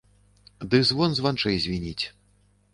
Ды звон званчэй звініць.